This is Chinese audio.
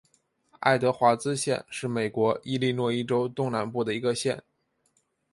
爱德华兹县是美国伊利诺伊州东南部的一个县。